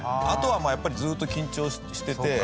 あとはもうやっぱりずっと緊張してて。